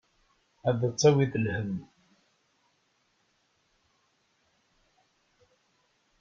Ad d-tawiḍ lhemm.